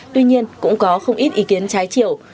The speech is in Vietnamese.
tuy nhiên cũng có không ít ý kiến trái chiều